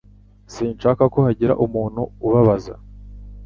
Sinshaka ko hagira umuntu ubabaza